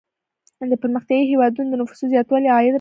د پرمختیايي هیوادونو د نفوسو زیاتوالی عاید را کموي.